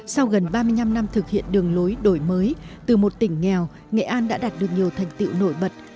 sau gần ba mươi năm năm thực hiện đường lối đổi mới từ một tỉnh nghèo nghệ an đã đạt được nhiều thành tiệu nổi bật